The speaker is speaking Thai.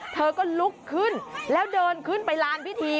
เธอก็ลุกขึ้นแล้วเดินขึ้นไปลานพิธี